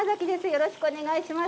よろしくお願いします。